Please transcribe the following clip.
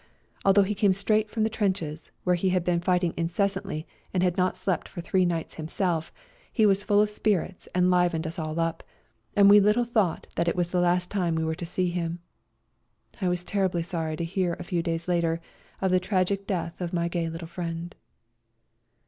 Although he came straight from the trenches, where he had been fighting incessantly and had not slept for three nights himself, he was full of spirits and livened us all up, and we little thought that it was the last time we were to see him. I was terribly sorry to hear a few 74 A RIDE TO KALABAC days later of the tragic death of my gay little friend.